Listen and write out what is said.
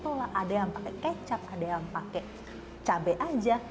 ada yang pakai kecap ada yang pakai cabai aja